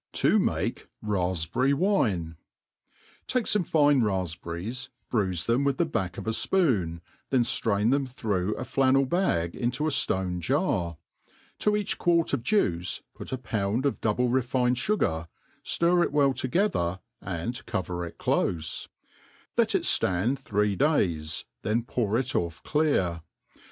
* 7*0 make Rafpberry Wtrie, TAI^E fortie fine rafpberries, bruife them v^itH the back of i fpoon, then ftrain them through a flannel bag into a ftone ' jar. To each quart of juice put a pound of double refined fu gar, ftir it well together, and tQver it clofe ; let it ftand three days, then pour it off clear.